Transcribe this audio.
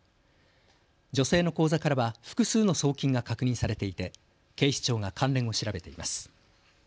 女性の口座からは複数の送金が確認されていて警視庁が関連を調べています。